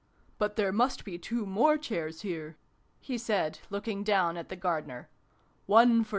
But there must be two more chairs here !" he said, looking down at the Gardener.